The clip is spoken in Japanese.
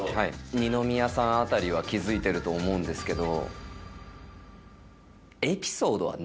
二宮さんあたりは気付いてると思うんですけど。